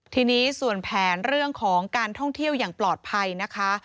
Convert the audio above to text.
ทีนี้ส่วนแผนเรื่องของการท่องเที่ยวอย่างปลอดภัยนะคะ